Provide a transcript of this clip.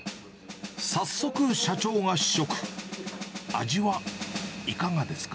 早速、社長が試食。